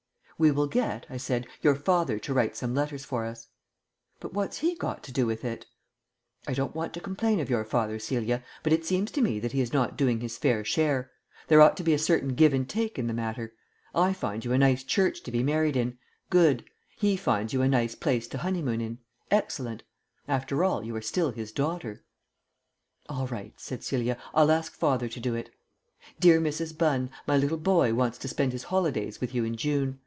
"We will get," I said, "your father to write some letters for us." "But what's he got to do with it?" "I don't want to complain of your father, Celia, but it seems to me that he is not doing his fair share. There ought to be a certain give and take in the matter. I find you a nice church to be married in good. He finds you a nice place to honeymoon in excellent. After all, you are still his daughter." "All right," said Celia, "I'll ask father to do it. 'Dear Mrs. Bunn, my little boy wants to spend his holidays with you in June.